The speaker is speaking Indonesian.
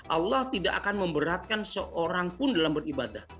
allah tidak akan memberatkan seorang pun dalam beribadah